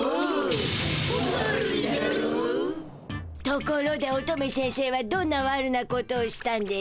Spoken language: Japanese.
ところで乙女先生はどんなわるなことをしたんでしゅか？